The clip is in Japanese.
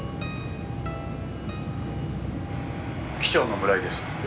「機長の村井です」